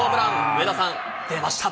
上田さん、出ました。